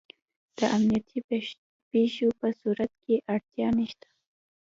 د امنیتي پېښو په صورت کې اړتیا نشته.